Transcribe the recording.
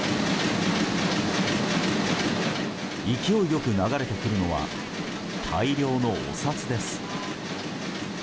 勢いよく流れてくるのは大量のお札です。